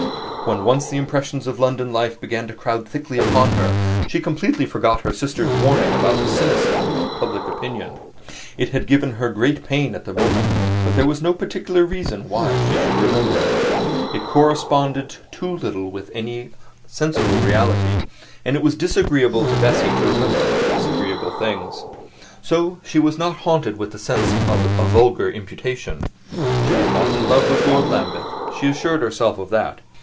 When once the impressions of London life began to crowd thickly upon her, she completely forgot her sister's warning about the cynicism of public opinion. It had given her great pain at the moment, but there was no particular reason why she should remember it; it corresponded too little with any sensible reality; and it was disagreeable to Bessie to remember disagreeable things. So she was not haunted with the sense of a vulgar imputation. She was not in love with Lord Lambeth she assured herself of that.